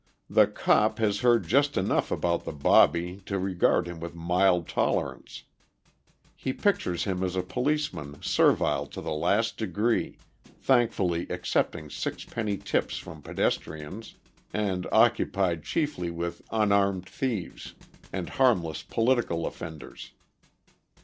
The "cop" has heard just enough about the "bobby" to regard him with mild tolerance. He pictures him as a policeman servile to the last degree, thankfully accepting sixpenny tips from pedestrians, and occupied chiefly with unarmed thieves and harmless political offenders.